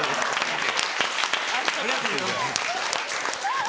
ありがとうございます。